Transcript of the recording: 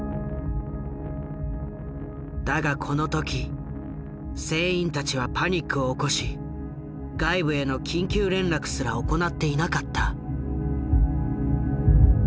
だがこの時船員たちはパニックを起こし外部への緊急連絡すら行っていなかった。